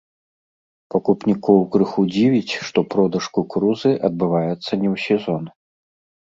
Пакупнікоў крыху дзівіць, што продаж кукурузы адбываецца не ў сезон.